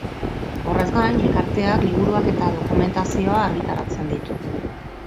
Horrez gain, elkarteak liburuak eta dokumentazioa argitaratzen ditu.